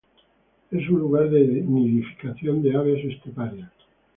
Es un lugar de nidificación de aves esteparias.